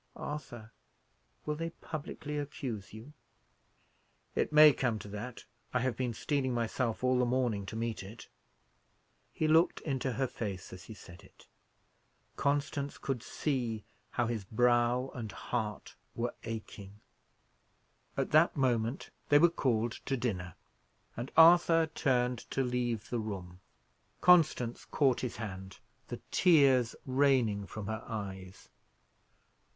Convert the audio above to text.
Arthur, will they publicly accuse you?" "It may come to that; I have been steeling myself all the morning to meet it." He looked into her face as he said it. Constance could see how his brow and heart were aching. At that moment they were called to dinner, and Arthur turned to leave the room. Constance caught his hand, the tears raining from her eyes.